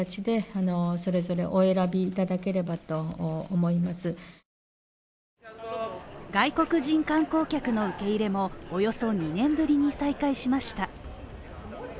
小池都知事は外国人観光客の受け入れもおよそ２年ぶりに再開しました。